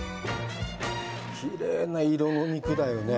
きれいな色の肉だよね。